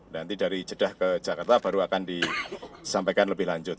nanti dari jeddah ke jakarta baru akan disampaikan lebih lanjut